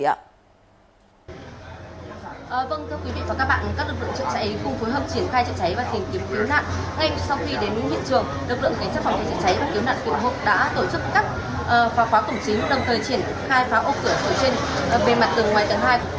vâng thưa quý vị và các bạn các lực lượng trận cháy